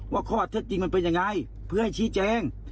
ว่าข้อเท็จจริงมันเป็นยังไงเพื่อให้ชี้แจง